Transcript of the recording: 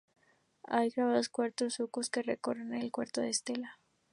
Hay grabados cuatro surcos que recorren todo el canto de la estela.